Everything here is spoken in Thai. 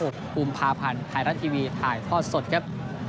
กุมภาพันธ์ไทยรัฐทีวีถ่ายทอดสดครับ